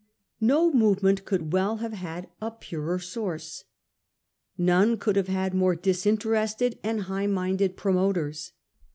No; movement could well have had a purer source. None could have had more disinterested and high minded promoters.